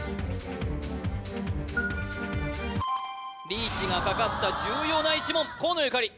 リーチがかかった重要な１問河野ゆかり